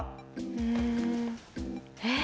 うん。えっ？